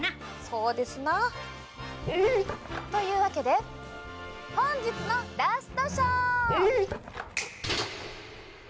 そうですな！というわけで本日のラストショー！